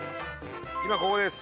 今ここです。